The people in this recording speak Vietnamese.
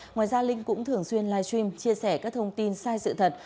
ngoài ra linh cũng thường xuyên live stream chia sẻ các thông tin sai sự thật